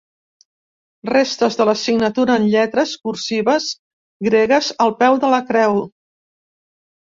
Restes de la signatura en lletres cursives gregues al peu de la Creu.